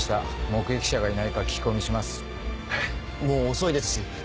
もう遅いですし。